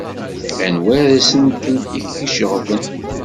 Anwa asentel i k-iceɣben?